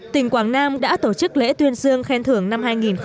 tỉnh quảng nam đã tổ chức lễ tuyên dương khen thưởng năm hai nghìn một mươi chín